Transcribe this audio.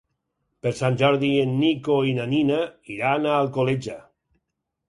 Per Sant Jordi en Nico i na Nina iran a Alcoleja.